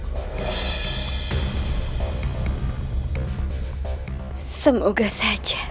semoga saja raden walang sung sang terbebas dari semua tuduhan